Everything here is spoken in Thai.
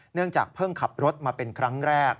เนื่องจากเพิ่งขับรถมาเป็นครั้งแรก